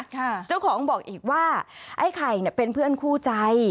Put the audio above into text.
เจ้าของบอกอีกว่าไอ้ไข่เนี่ยเป็นเพื่อนคู่ใจ